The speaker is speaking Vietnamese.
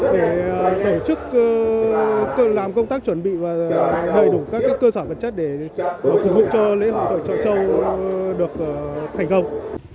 để tổ chức làm công tác chuẩn bị và đầy đủ các cơ sở vật chất để phục vụ cho lễ hội trọi châu được thành công